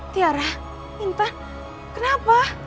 tiara intan kenapa